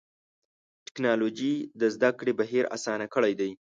ټکنالوجي د زدهکړې بهیر آسانه کړی دی.